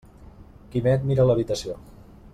Quimet mira l'habitació.